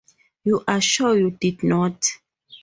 You are sure you did not?